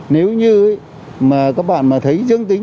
nếu như mà các bạn mà thấy dương tính